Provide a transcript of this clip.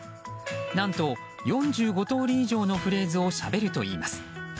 何と４５通り以上のフレーズをしゃべるといいます。